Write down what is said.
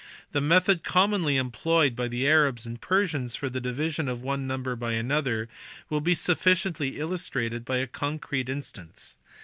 The method commonly employed by the Arabs and Persians for the division of one number by another will be sufficiently illustrated by a concrete instance.